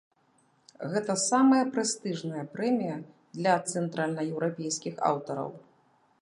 Гэта самая прэстыжная прэмія для цэнтральнаеўрапейскіх аўтараў.